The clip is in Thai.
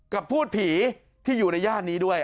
กับพูดผีที่อยู่ในญาตินี้ด้วย